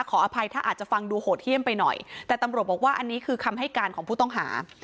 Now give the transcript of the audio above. ขออภัยถ้าอาจจะฟังดูโหดเยี่ยมไปหน่อยแต่ตำรวจบอกว่าอันนี้คือคำให้การของผู้ต้องหา